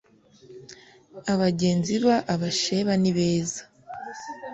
abagenzi b abashebanibeza